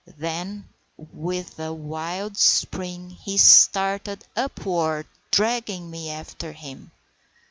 Then, with a wild spring, he started upward, dragging me after him.